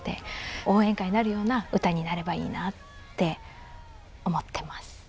応援歌になるような歌になればいいなって思ってます。